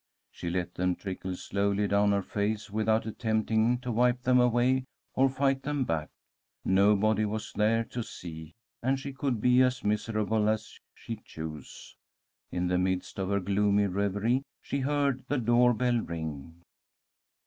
She let them trickle slowly down her face without attempting to wipe them away or fight them back. Nobody was there to see, and she could be as miserable as she chose. In the midst of her gloomy reverie she heard the door bell ring.